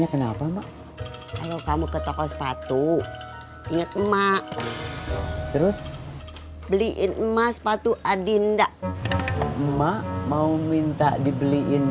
kenapa mak kalau kamu ke toko sepatu ingat emak terus beliin emas sepatu adinda emak mau minta dibeliin